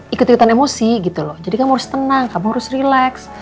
ikut ikutan emosi gitu loh jadi kamu harus tenang kamu harus relax